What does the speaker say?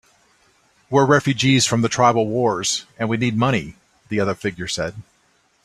"We're refugees from the tribal wars, and we need money," the other figure said.